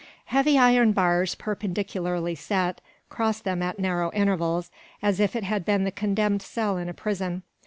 Heavy iron bars, perpendicularly set, crossed them at narrow intervals, as if it had been the condemned cell in a prison.